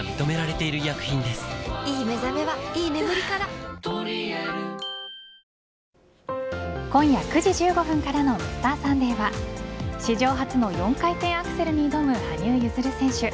実は箱にライオンが大好きなシナモンや今夜９時１５分からの「Ｍｒ．サンデー」は史上初の４回転アクセルに挑む羽生結弦選手。